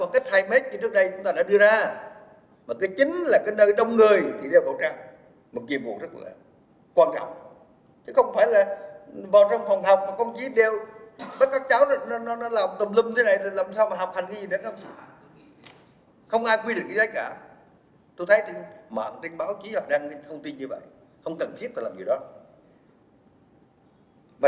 không phải giảm còn cách hai mét như trước đây chúng ta đã đưa ra